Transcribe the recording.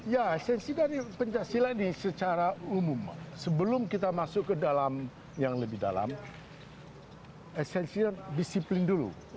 ya esensi dari pencaksilat ini secara umum sebelum kita masuk ke dalam yang lebih dalam esensinya disiplin dulu